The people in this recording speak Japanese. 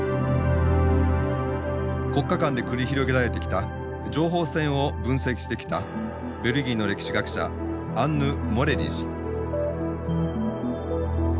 国家間で繰り広げられてきた情報戦を分析してきたベルギーの歴史学者アンヌ・モレリ氏。